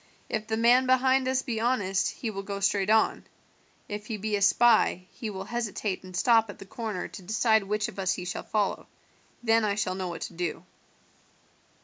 If the man behind us be honest he will go straight on; if he be a spy, he will hesitate and stop at the corner to decide which of us he shall follow; then I shall know what to do."